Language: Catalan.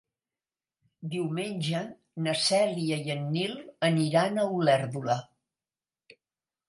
Diumenge na Cèlia i en Nil aniran a Olèrdola.